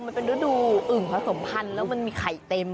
มันเป็นฤดูอึ่งผสมพันธุ์แล้วมันมีไข่เต็ม